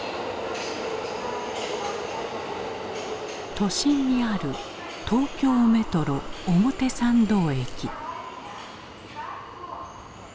都心にある東京メトロ表参道駅。